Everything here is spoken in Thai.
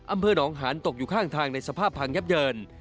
อำเภอหนองหานตกอยู่ข้างทางในสภาพพังยับเยิน